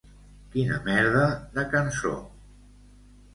Quina merda de cançó.